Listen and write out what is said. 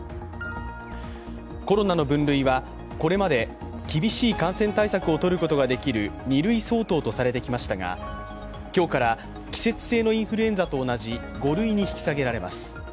コロナの分類はこれまで厳しい感染対策をとることができる２類相当とされてきましたが今日から季節性のインフルエンザと同じ５類に引き下げられます。